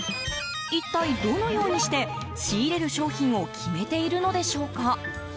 一体、どのようにして仕入れる商品を決めているのでしょうか。